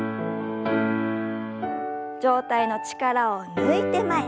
上体の力を抜いて前。